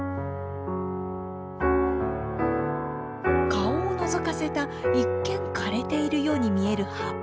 顔をのぞかせた一見枯れているように見える葉っぱ。